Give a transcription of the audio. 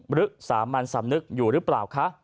หรือสามัญสำนึกอยู่หรือเปล่าคะ